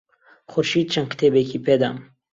خورشید چەند کتێبێکی پێدام.